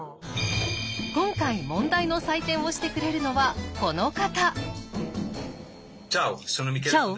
今回問題の採点をしてくれるのはこの方！